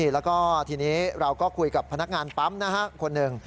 แล้วทีนี้เราก็คุยกับพนักงานปั๊มคนนึง